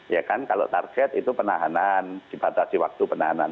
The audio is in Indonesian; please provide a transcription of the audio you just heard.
ya kan kalau target itu penahanan dibatasi waktu penahanan